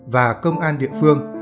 và công an địa phương